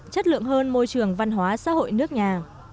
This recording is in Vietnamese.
chất lượng hơn môi trường văn hóa xã hội nước nhà